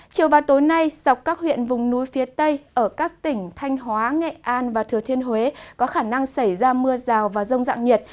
chiều và tối nay dọc các huyện vùng núi phía tây ở các tỉnh thanh hóa nghệ an và thừa thiên huế có khả năng xảy ra mưa rào và rông dạng nhiệt